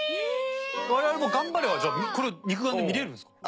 我々も頑張ればじゃあこれを肉眼で見れるんですか？